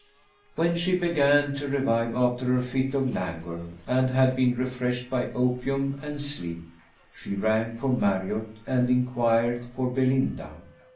When she began to revive after her fit of languor, and had been refreshed by opium and sleep, she rang for Marriott, and inquired for Belinda.